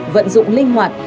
vận dụng linh hồn